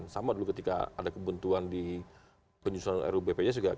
sama dulu ketika ada kebentuan di penyusulan rubpjs juga